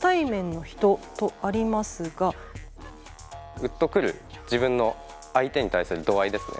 ウッとくる自分の相手に対する度合いですね